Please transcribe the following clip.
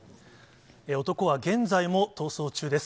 男は現在も逃走中です。